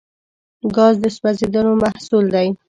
ګاز د سوځیدلو محصول دی.